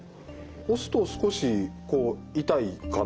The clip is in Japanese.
押すと少しこう痛いかな。